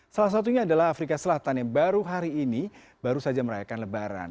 salah satunya adalah afrika selatan yang baru hari ini baru saja merayakan lebaran